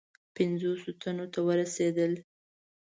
پنجوسو تنو ته ورسېدل.